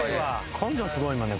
根性すごいもんね